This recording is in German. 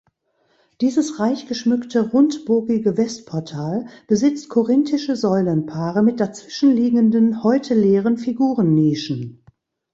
Dieses reich geschmückte rundbogige Westportal besitzt korinthische Säulenpaare mit dazwischen liegenden, heute leeren Figurennischen.